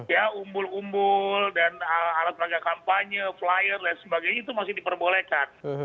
ya umbul umbul dan alat peraga kampanye flyer dan sebagainya itu masih diperbolehkan